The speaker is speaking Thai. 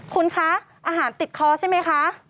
คุณคะอาหารติดคอใช่ไหมคะ